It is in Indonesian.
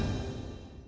sehat dan mati ho ho ho